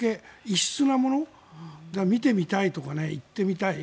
異質なものを見てみたいとか行ってみたい